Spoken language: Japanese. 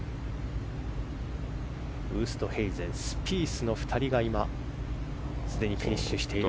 ウーストヘイゼンスピースの２人がすでにフィニッシュしている。